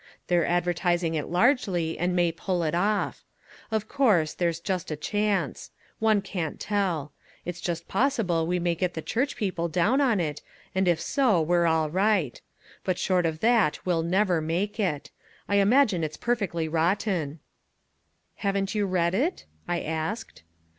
They're advertising it largely and may pull it off. Of course, there's just a chance. One can't tell. It's just possible we may get the church people down on it and if so we're all right. But short of that we'll never make it. I imagine it's perfectly rotten." "Haven't you read it?" I asked.